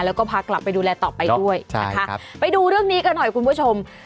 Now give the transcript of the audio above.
แล้วก็พากลับไปดูแลต่อไปด้วยนะคะไปดูเรื่องนี้กันหน่อยคุณผู้ชม